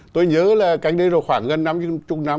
tôi nhớ là cách đây rồi khoảng gần năm chục năm